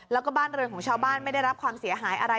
แล้วก็บ้านเรือนของชาวบ้านไม่ได้รับความเสียหายอะไร